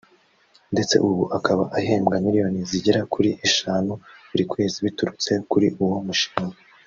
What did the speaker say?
ndetse ubu akaba ahembwa miliyoni zigera kuri eshanu buri kwezi biturutse kuri uwo mushinga